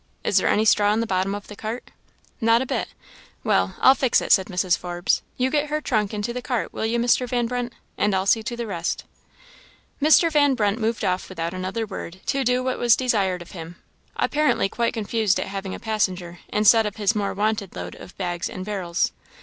"Is there any straw in the bottom of the cart?" "Not a bit." "Well, I'll fix it," said Mrs. Forbes. "You get her trunk into the cart, will you, Mr. Van Brunt? and I'll see to the rest." Mr. Van Brunt moved off without another word, to do what was desired of him apparently quite confounded at having a passenger instead of his more wonted load of bags and barrels.